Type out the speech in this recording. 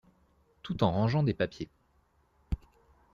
Tout en rangeant des papiers.